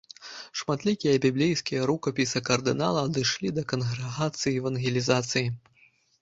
Шматлікія біблейскія рукапісы кардынала адышлі да кангрэгацыі евангелізацыі.